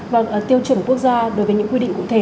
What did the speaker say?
vâng tiêu chuẩn quốc gia đối với những quy định cụ thể